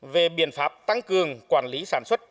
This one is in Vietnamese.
về biện pháp tăng cường quản lý sản xuất